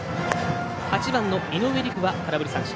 ８番の井上陸は空振り三振。